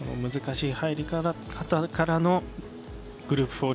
難しい入り方からのグループ